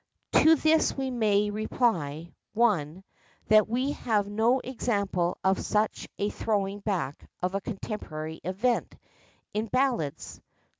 To this we may reply (1) that we have no example of such a throwing back of a contemporary event, in ballads.